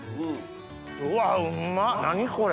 うわうっま何これ。